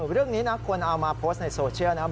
เรื่องนี้นะคนเอามาโพสต์ในโซเชียลนะครับ